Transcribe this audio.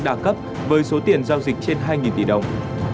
đa cấp với số tiền giao dịch trên hai tỷ đồng